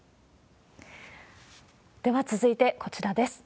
では続いて、こちらです。